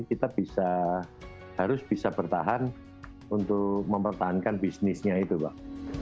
kita harus bisa bertahan untuk mempertahankan bisnisnya itu pak